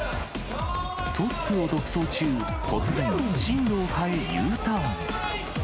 トップを独走中、突然、進路を変え、Ｕターン。